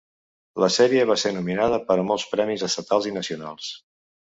La sèrie va ser nominada per a molts premis estatals i nacionals.